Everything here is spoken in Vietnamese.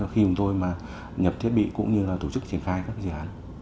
khi chúng tôi mà nhập thiết bị cũng như là tổ chức triển khai các dự án